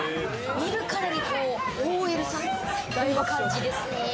見るからにＯＬさんという感じですね。